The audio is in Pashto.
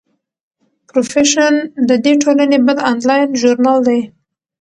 پروفیشن د دې ټولنې بل انلاین ژورنال دی.